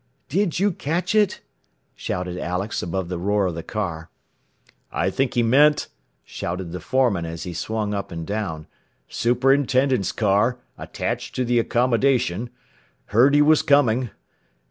"Did you catch it?" shouted Alex above the roar of the car. "I think he meant," shouted the foreman as he swung up and down, "superintendent's car ... attached to the Accommodation ... heard he was coming